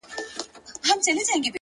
ریښتینی ځواک په ځان کنټرول کې دی.!